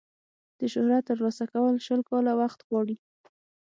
د شهرت ترلاسه کول شل کاله وخت غواړي.